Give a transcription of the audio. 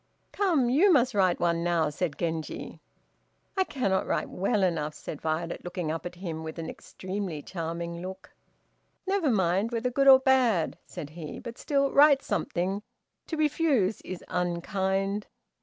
"Come, you must write one now," said Genji. "I cannot write well enough," said Violet, looking up at him, with an extremely charming look. "Never mind, whether good or bad," said he, "but still write something, to refuse is unkind.